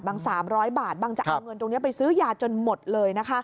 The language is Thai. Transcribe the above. ๓๐๐บาทบางจะเอาเงินตรงนี้ไปซื้อยาจนหมดเลยนะคะ